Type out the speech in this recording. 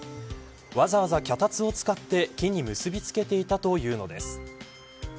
わざわざ脚立を使って木に結びつけていたというのです。